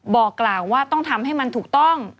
บอกกล่าวว่าต้องทำให้มันถูกต้อง